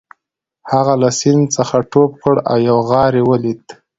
هغه له سیند څخه ټوپ کړ او یو غار یې ولید